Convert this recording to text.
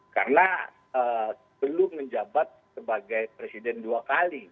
karena belum menjabat sebagai presiden dua kali